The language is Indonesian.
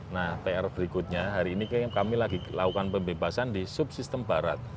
nah pr berikutnya hari ini kami lagi lakukan pembebasan di subsistem barat